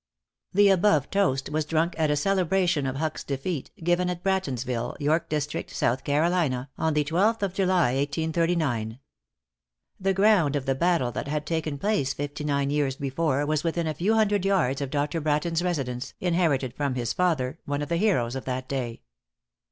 The above toast was drunk at a celebration of Huck's defeat, given at Brattonsville, York District, South Carolina, on the twelfth of July, 1839. The ground of the battle that had taken place fifty nine years before, was within a few hundred yards of Dr. Bratton's residence, inherited from his father, one of the heroes of that day.